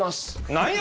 何や？